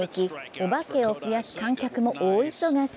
お化けを増やす観客も大忙し。